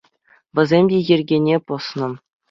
Вӗсем те йӗркене пӑснӑ.